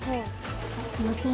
すみません。